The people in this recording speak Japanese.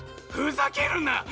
ふざけるな！